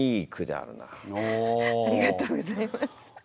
ありがとうございます。